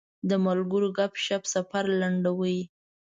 د ملګرو ګپ شپ سفر لنډاوه.